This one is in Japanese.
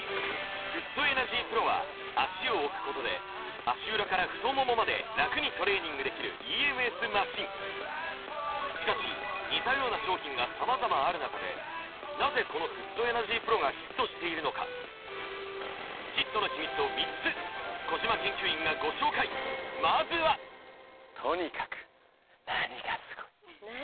フットエナジーＰＲＯは足を置くことで足裏から太ももまで楽にトレーニングできるＥＭＳマシンしかし似たような商品が様々ある中でヒットの秘密を３つ小島研究員がご紹介まずは「とにかく何がスゴイ！」